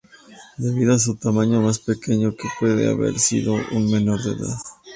Debido a su tamaño más pequeño, que puede haber sido un menor de edad.